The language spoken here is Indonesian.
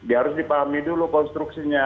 harus dipahami dulu konstruksinya